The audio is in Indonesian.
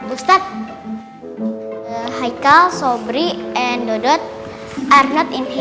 ustaz haikal sobri dan dodot tidak ada di sini